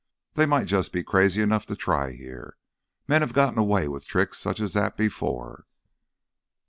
They might just be crazy enough to try here—men have gotten away with tricks such as that before."